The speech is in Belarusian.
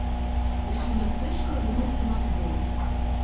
Усё мястэчка рынулася на збор.